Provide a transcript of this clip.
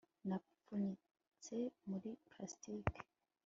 napfunyitse muri plastiki